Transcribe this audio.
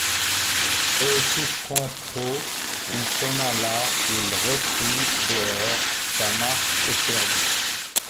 Et, souffrant trop, il s’en alla, il reprit dehors sa marche éperdue.